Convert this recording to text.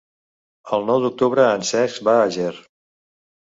El nou d'octubre en Cesc va a Ger.